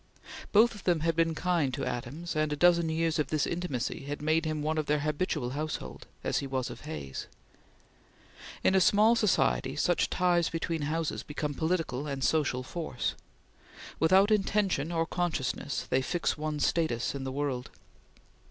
Both of them had been kind to Adams, and a dozen years of this intimacy had made him one of their habitual household, as he was of Hay's. In a small society, such ties between houses become political and social force. Without intention or consciousness, they fix one's status in the world.